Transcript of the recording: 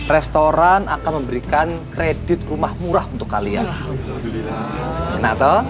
restoran akan memberikan kredit rumah murah untuk kalian natal